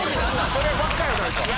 そればっかやないか！